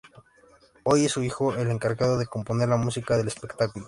Hoy es su hijo el encargado de componer la música del espectáculo.